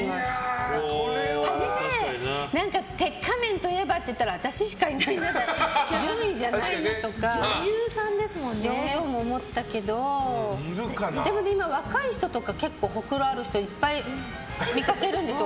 はじめ鉄火面といえばっていったら私しかいない順位じゃないなとかとも思ったけどでも今、若い人とかでホクロのある人見かけるんですよ。